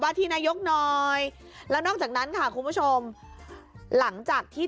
ที่นายกหน่อยแล้วนอกจากนั้นค่ะคุณผู้ชมหลังจากที่